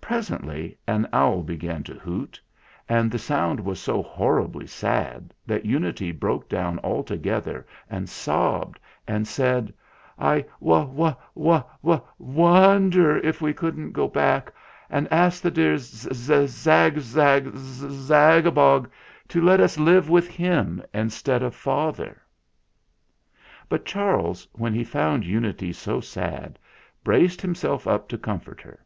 Presently an owl began to hoot, and the 160 THE FLINT HEART sound was so horribly sad that Unity broke down altogether and sobbed and said : "I won won won won wonder if we couldn't go back and ask the dear Zag zag zag abog to let us live with him instead of father." But Charles, when he found Unity so sad, braced himself up to comfort her.